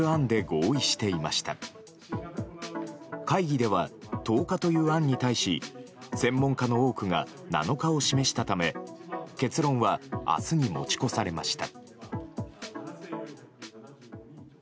会議では、１０日という案に対し専門家の多くが７日を示したため結論は明日に持ち越されました。